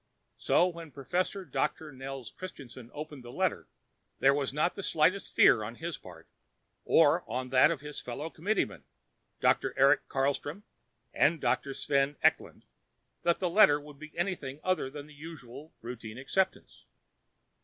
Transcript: So when Professor Doctor Nels Christianson opened the letter, there was not the slightest fear on his part, or on that of his fellow committeemen, Dr. Eric Carlstrom and Dr. Sven Eklund, that the letter would be anything other than the usual routine acceptance.